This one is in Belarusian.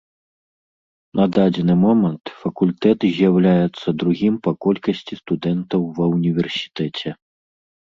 На дадзены момант факультэт з'яўляецца другім па колькасці студэнтаў ва ўніверсітэце.